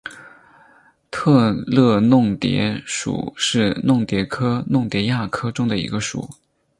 特乐弄蝶属是弄蝶科弄蝶亚科中的一个属。